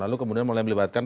lalu kemudian mulai melibatkan